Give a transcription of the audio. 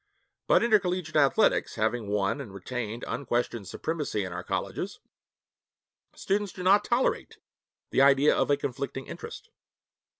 But, intercollegiate athletics having won and retained unquestioned supremacy in our colleges, students do not tolerate the idea of a conflicting interest.